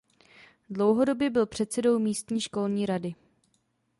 Dlouhodobě byl předsedou místní školní rady.